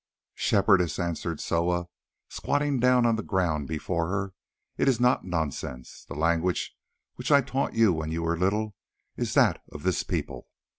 "Shepherdess," answered Soa, squatting down on the ground before her, "it is not nonsense. The language which I taught you when you were little is that of this people.